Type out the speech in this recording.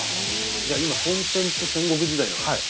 じゃあ今コンテンツ戦国時代なんですね。